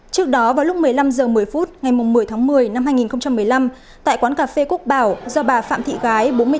trước đó vào lúc một mươi năm giờ một mươi phút ngày một mươi tháng một mươi năm hai nghìn một mươi năm tại quán cà phê cúc bảo do bà phạm thị gái